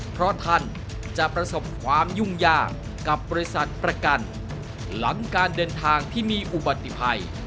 เพราะท่านจะประสบความยุ่งยากกับบริษัทประกันหลังการเดินทางที่มีอุบัติภัย